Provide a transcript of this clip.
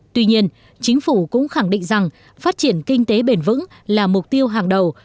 tuy nhiên chính phủ cũng khẳng định rằng phát triển kinh tế bền vững là mục tiêu hàng đầu